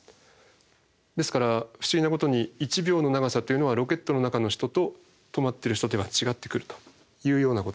ですから不思議なことに１秒の長さというのはロケットの中の人と止まってる人では違ってくるというようなことになって。